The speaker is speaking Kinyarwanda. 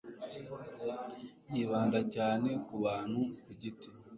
yibanda cyane ku bantu ku giti